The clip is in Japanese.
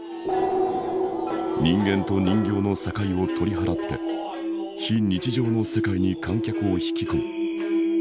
人間と人形の境を取り払って非日常の世界に観客を引き込む。